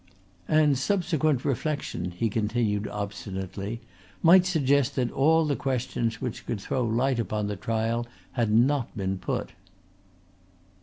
"And subsequent reflection," he continued obstinately, "might suggest that all the questions which could throw light upon the trial had not been put."